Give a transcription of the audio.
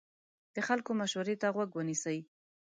د خلکو مشورې ته غوږ ونیسئ.